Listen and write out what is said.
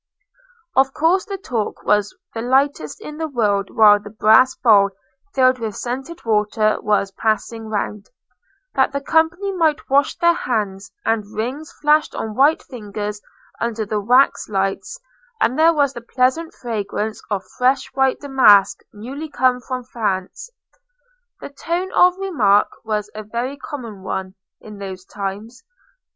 Of course the talk was the lightest in the world while the brass bowl filled with scented water was passing round, that the company might wash their hands, and rings flashed on white fingers under the wax lights, and there was the pleasant fragrance of fresh white damask newly come from France. The tone of remark was a very common one in those times.